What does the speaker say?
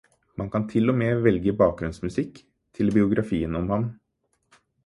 Man kan til og med velge bakgrunnsmusikk til biografien om ham.